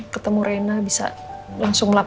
ketemu reina bisa langsung